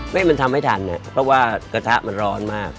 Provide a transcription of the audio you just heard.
ไม่มันทำให้ทันเพราะว่ากระทะมันร้อนมาก